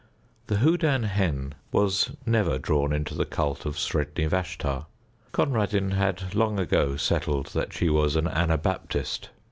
The Houdan hen was never drawn into the cult of Sredni Vashtar. Conradin had long ago settled that she was an Anabaptist.